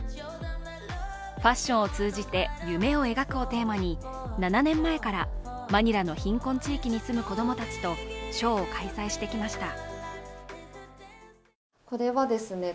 「ファッションを通じて夢を描く」をテーマに７年前からマニラの貧困地域に住む子供たちとショーを開催してきました。